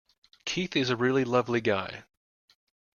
Keith is a really lovely guy.